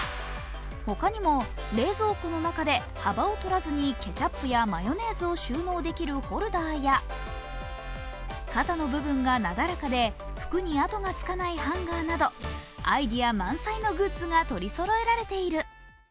他にも、冷蔵庫の中で幅をとらずにケチャップやマヨネーズを収納できるホルダーや肩の部分がなだらかで服に角がつかないハンガーなどアイデア満載のグッズが取りそろえられている。